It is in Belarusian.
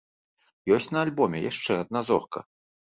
Ёсць на альбоме яшчэ адна зорка.